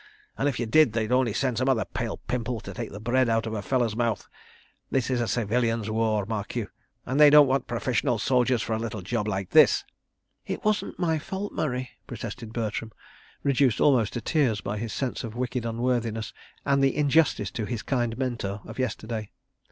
... And if you did, they'd only send some other pale Pimple to take the bread out of a fellow's mouth. ... This is a civilians' war, mark you; they don't want professional soldiers for a little job like this. ..." "It wasn't my fault, Murray," protested Bertram, reduced almost to tears by his sense of wicked unworthiness and the injustice to his kind mentor of yesterday.